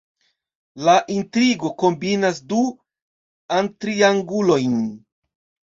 La intrigo kombinas du amtriangulojn.